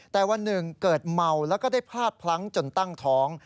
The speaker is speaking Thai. แต่วันหนึ่งเกิดเมาแล้วก็ได้พลาดพลั้งจนตั้งท้อง